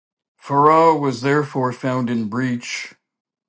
Farah was therefore found in breach.